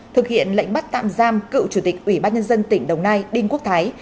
thực hiện lệnh bắt tạm giam cựu chủ tịch ủy ban nhân dân tỉnh đồng nai đinh quốc thái